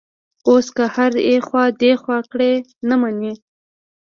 اوس که هر ایخوا دیخوا کړي، نه مني.